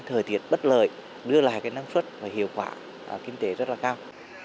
thời tiết bất lợi đưa lại năng phất và hiệu quả kinh tế rất cao